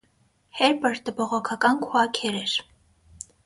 Հերպըրտը բողոքական քուաքեր էր։